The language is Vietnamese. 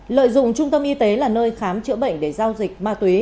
lợi dụng trung tâm y tế là nơi khám chữa bệnh để giao dịch ma túy